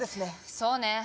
そうね